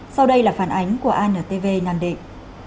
sau đây là phản ánh của antv nam định